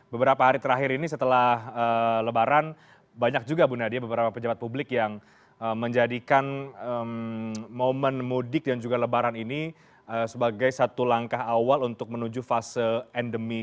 beberapa hari terakhir ini setelah lebaran banyak juga bu nadia beberapa pejabat publik yang menjadikan momen mudik dan juga lebaran ini sebagai satu langkah awal untuk menuju fase endemi